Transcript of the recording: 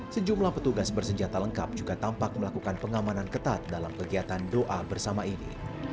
sejumlah petugas bersenjata lengkap juga tampak melakukan pengamanan ketat dalam kegiatan doa bersama ini